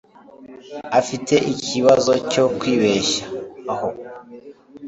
Afite ikibazo cyo kwibeshaho. (Nero)